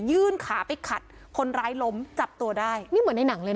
ยื่นขาไปขัดคนร้ายล้มจับตัวได้นี่เหมือนในหนังเลยนะ